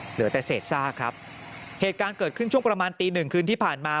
เหลือแต่เศษซากครับเหตุการณ์เกิดขึ้นช่วงประมาณตีหนึ่งคืนที่ผ่านมา